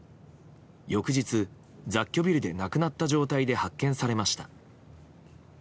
翌日、雑居ビルで亡くなった状態で発見されました。